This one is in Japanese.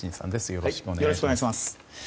よろしくお願いします。